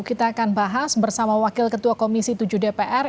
kita akan bahas bersama wakil ketua komisi tujuh dpr